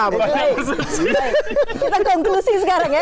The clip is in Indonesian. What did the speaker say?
kita konklusi sekarang ya